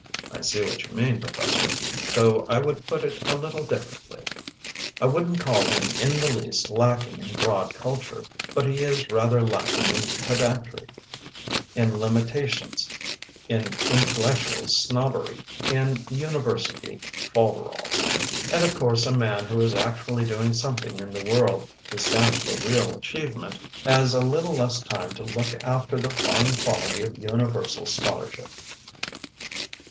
"I see what you mean, Professor, though I would put it a little differently. I wouldn't call him in the least lacking in broad culture, but he is rather lacking in pedantry, in limitations, in intellectual snobbery, in university folderols. And of course a man who is actually doing something in the world, who stands for real achievement, has a little less time to look after the fine quality of universal scholarship."